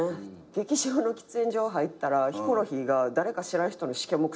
劇場の喫煙所入ったらヒコロヒーが誰か知らん人のしけもく探して。